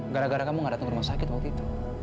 gara gara kamu gak datang ke rumah sakit waktu itu